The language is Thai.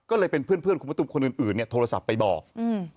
ก็เลยเป็นเพื่อนเพื่อนคุณประตุมคนอื่นอื่นเนี้ยโทรศัพท์ไปบอกอืม